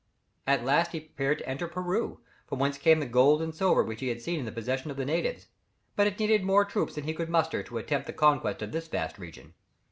At last he prepared to enter Peru, from whence came the gold and silver which he had seen in the possession of the natives; but it needed more troops than he could muster, to attempt the conquest of this vast region.